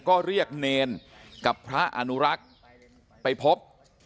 ก็เรียกเนรกับพระอนุรักษ์ไปพบ